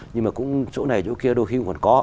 nhưng mà cũng chỗ này chỗ kia đôi khi cũng còn có